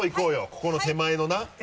ここの手前のな。